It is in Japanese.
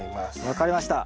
分かりました。